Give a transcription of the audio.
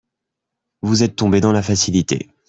Vous êtes tombé dans la facilité.